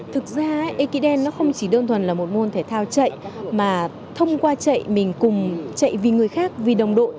thực ra ekiden nó không chỉ đơn thuần là một môn thể thao chạy mà thông qua chạy mình cùng chạy vì người khác vì đồng đội